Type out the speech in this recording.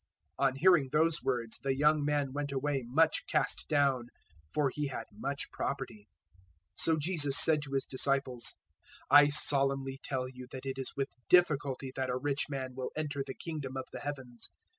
019:022 On hearing those words the young man went away much cast down; for he had much property. 019:023 So Jesus said to His disciples, "I solemnly tell you that it is with difficulty that a rich man will enter the Kingdom of the Heavens.